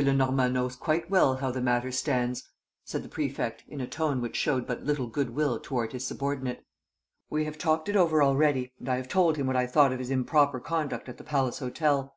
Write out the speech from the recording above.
Lenormand knows quite well how the matter stands," said the prefect, in a tone which showed but little good will toward his subordinate. "We have talked it over already and I have told him what I thought of his improper conduct at the Palace Hotel.